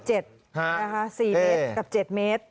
๔เมตรกับ๗เมตร